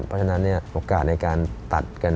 เพราะฉะนั้นโอกาสในการตัดกัน